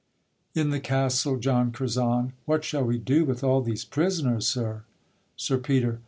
In the Castle. JOHN CURZON. What shall we do with all these prisoners, sir? SIR PETER.